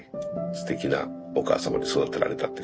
すてきなお母様に育てられたって感じですね。